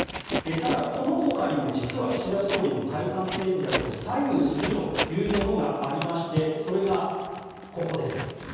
ただ、この他にも実は岸田総理の解散戦略を左右するというものがありましてそれが、ここです。